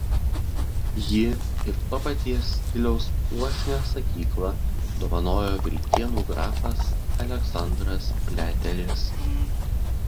Jį ir to paties stiliaus puošnią sakyklą dovanojo Vilkėnų grafas Aleksandras Pliateris.